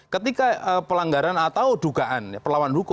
ketika pelanggaran atau dugaan perlawan hukum